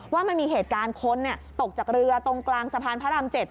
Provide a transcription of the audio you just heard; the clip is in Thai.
ว่ามันมีเหตุการณ์คนตกจากเรือตรงกลางสะพานพระราม๗